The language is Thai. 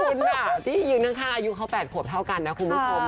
คือเจ้าขูนยึง๕อายุเขา๘ผมเท่ากันนะคุณผู้ชม